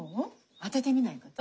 あててみないこと？